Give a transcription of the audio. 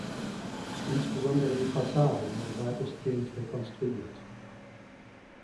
Insbesondere die Fassade wurde weitestgehend rekonstruiert.